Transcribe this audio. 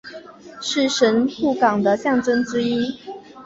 是神户港的象征之一。